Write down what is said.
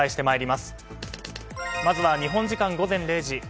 まず日本時間午前０時。